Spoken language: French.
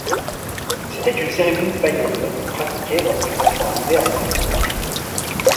C’était une cérémonie païenne qu’on pratiquait lorsqu’un enfant arrivait à un certain âge.